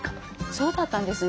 そうだったんですね。